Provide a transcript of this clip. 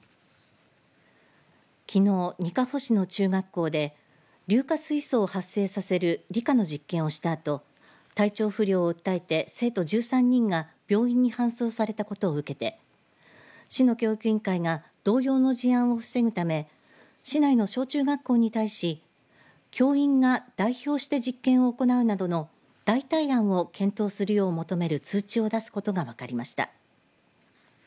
きのう、にかほ市の中学校で硫化水素を発生させる理科の実験をしたあと体調不良を訴えて生徒１３人が病院に搬送されたことを受けて市の教育委員会が同様の事案を防ぐため市内の小中学校に対し教員が代表して実験を行うなどの代替案を検討するよう求める通知を出すことが分かりました。